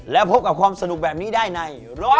แล้วพบกับความสนุกแบบนี้ได้ในร้อง